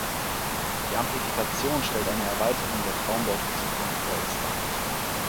Die Amplifikation stellt eine Erweiterung der Traumdeutung Sigmund Freuds dar.